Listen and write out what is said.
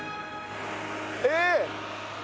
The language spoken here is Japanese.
えっ。